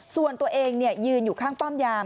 ส่วนตัวเองยืนอยู่ข้างป้อมยาม